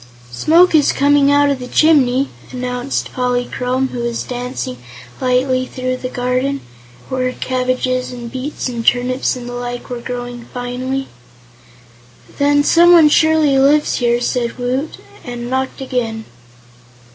"Smoke is coming out of the chimney," announced Polychrome, who was dancing lightly through the garden, where cabbages and beets and turnips and the like were growing finely. "Then someone surely lives here," said Woot, and knocked again.